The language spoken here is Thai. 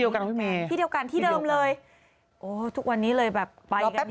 พี่เดียวกันที่เดิมเลยโอ้ทุกวันนี้เลยแบบไปกันใหญ่นักที่เดียว